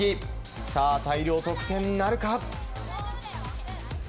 さあ、大量得点なるか。